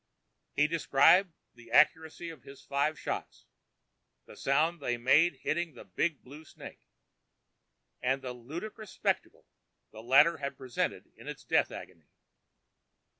He described the accuracy of his five shots, the sound they had made hitting the big blue snake, and the ludicrous spectacle the latter had presented in its death agony.